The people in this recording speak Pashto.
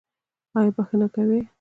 ایا بخښنه کوئ؟